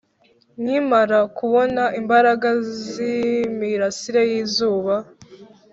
nkimara kubona imbaraga z'imirasire y'izuba